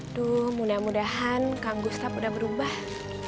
aduh mudah mudahan kang gustap udah berubah